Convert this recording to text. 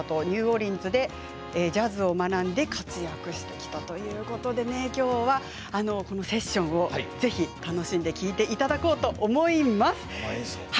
ニューオーリンズでジャズを学んで活躍されてきたということでセッションも、ぜひ楽しんで聴いていただこうと思います。